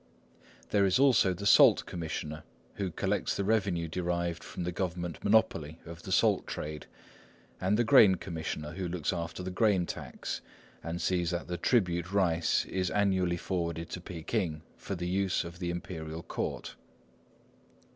There is also the salt commissioner, who collects the revenue derived from the government monopoly of the salt trade; and the grain commissioner, who looks after the grain tax, and sees that the tribute rice is annually forwarded to Peking, for the use of the Imperial Court.